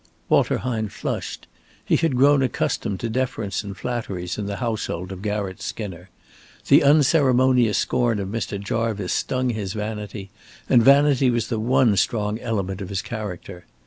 Walter Hine flushed. He had grown accustomed to deference and flatteries in the household of Garratt Skinner. The unceremonious scorn of Mr. Jarvice stung his vanity, and vanity was the one strong element of his character.